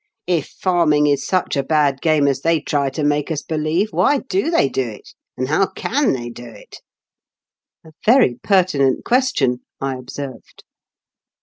If farming is such a bad game as ON TEE BOAD AGAIN. 139 they try to make us believe, why do they da it ? and how can they do it ?" "A very pertinent question/' I observed.